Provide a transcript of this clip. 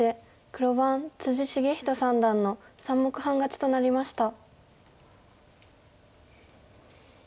黒番篤仁三段の３目半勝ちとなりました。